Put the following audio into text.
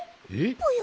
ぽよ？